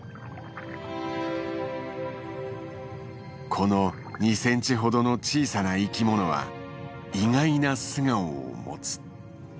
この２センチほどの小さな生き物は意外な素顔を持つ。